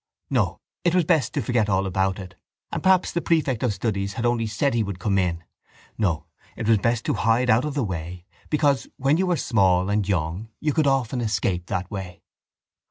No, it was best to forget all about it and perhaps the prefect of studies had only said he would come in. No, it was best to hide out of the way because when you were small and young you could often escape that way.